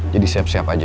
jadi siap siap aja